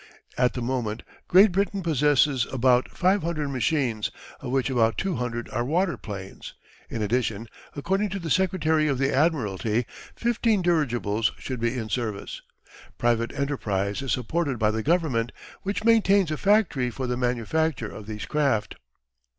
At the moment Great Britain possesses about 500 machines, of which about 200 are waterplanes. In addition, according to the Secretary of the Admiralty, 15 dirigibles should be in service. Private enterprise is supported by the Government, which maintains a factory for the manufacture of these craft.